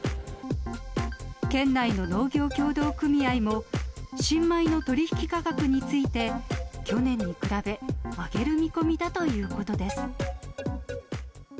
県内の農業協同組合も、新米の取り引き価格について、去年に比べ、上げる見込みだということです。